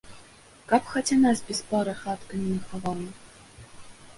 Каб хаця нас без пары хатка не нахавала?